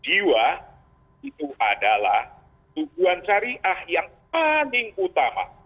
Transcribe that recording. itu adalah tuguhan syariah yang paling utama